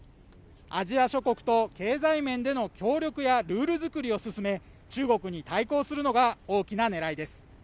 アジア諸国と経済面での協力やルールづくりを進め、中国に対抗するのが大きな狙いです。